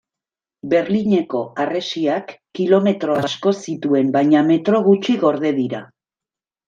Berlineko harresiak kilometro asko zituen baina metro gutxi gorde dira.